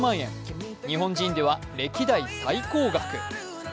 日本人では歴代最高額。